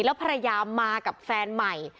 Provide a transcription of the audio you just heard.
แล้วภรรยามากับแฟนใหม่